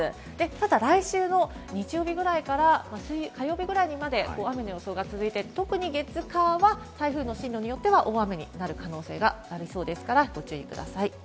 ただ、来週日曜日ぐらいから来週火曜日ぐらいまで特に月・火は台風の進路によって大雨になる可能性がありますからご注意ください。